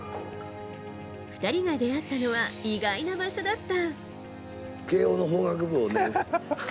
２人が出会ったのは意外な場所だった。